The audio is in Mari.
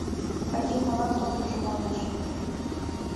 Вадим молан толмыжым ойлыш.